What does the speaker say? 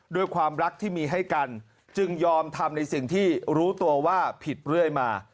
ด้วยความรักที่มีให้กันจึงยอมทำในสิ่งที่รู้ตัวว่าผิดเรื่อยมา